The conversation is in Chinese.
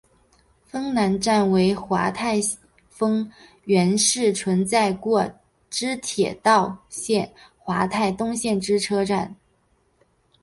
丰南站为桦太丰原市存在过之铁道省桦太东线之车站。